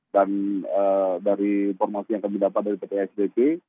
dan dari informasi yang kami dapat dari pt isdp